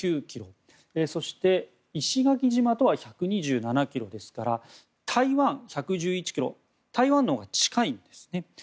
そして石垣島とは１２７ｋｍですから台湾とは１１１ｋｍ台湾のほうが近いんですね。